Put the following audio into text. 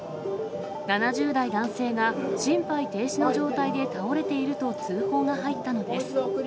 ７０代男性が心肺停止の状態で倒れていると通報が入ったのです。